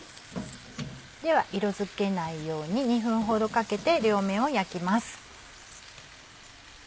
では色づけないように２分ほどかけて両面を焼きます。